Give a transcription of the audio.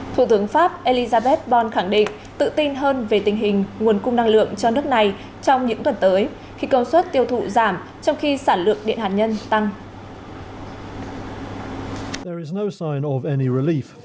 thủ tướng pháp elizabeth borrn khẳng định tự tin hơn về tình hình nguồn cung năng lượng cho nước này trong những tuần tới khi công suất tiêu thụ giảm trong khi sản lượng điện hạt nhân tăng